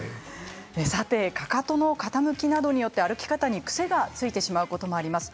さてかかとの傾きなどによって歩き方に癖がついてしまうこともあります。